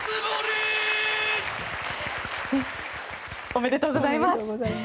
おめでとうございます。